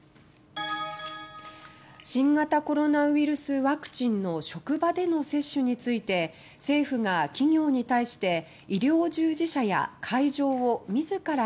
新型コロナウイルスワクチンの職場での接種について政府が企業に対して医療従事者や会場を自ら用意し